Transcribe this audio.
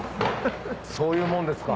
そういうもんですか。